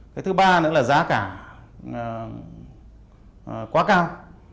cái thứ ba nữa là giá cả quá cao